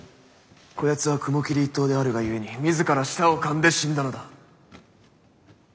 こやつは雲霧一党であるがゆえに自ら舌をかんで死んだのだ。